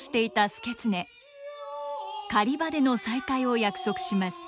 狩場での再会を約束します。